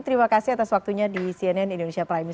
terima kasih atas waktunya di cnn indonesia prime news